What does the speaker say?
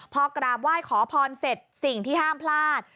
พอกราบไหว้ขอพรเสร็จสิ่งที่ห้ามพลาด